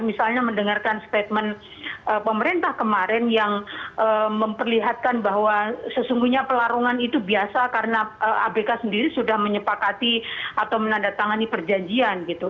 misalnya mendengarkan statement pemerintah kemarin yang memperlihatkan bahwa sesungguhnya pelarungan itu biasa karena abk sendiri sudah menyepakati atau menandatangani perjanjian gitu